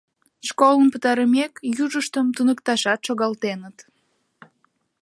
Школым пытарымек, южыштым туныкташат шогалтеныт.